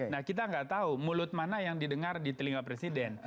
nah kita nggak tahu mulut mana yang didengar di telinga presiden